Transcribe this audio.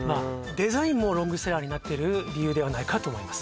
デザインもロングセラーになっている理由ではないかと思います